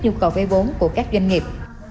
nhu cầu vây vốn của các doanh nghiệp